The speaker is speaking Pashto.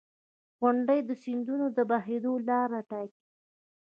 • غونډۍ د سیندونو د بهېدو لاره ټاکي.